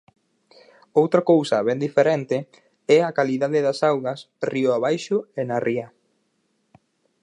Outra cousa ben diferente é a calidade das augas río abaixo e na ría.